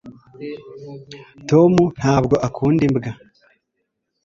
tom ntabwo akunda imbwa